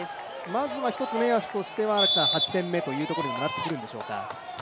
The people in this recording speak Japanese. まずは一つ目安としては８点目ということになってくるんでしょうか。